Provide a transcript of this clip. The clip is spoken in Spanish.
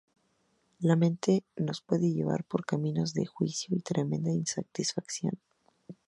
La mente nos puede llevar por caminos de juicio y tremenda insatisfacción.